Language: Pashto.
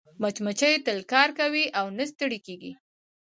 مچمچۍ تل کار کوي او نه ستړې کېږي